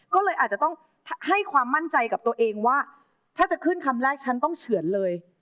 ก็เลยอาจจะต้องให้ความมั่นใจกับตัวเองว่าถ้าจะขึ้นคำแรกฉันต้องเฉือนเลย